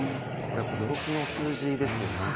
これ、驚きの数字ですよね。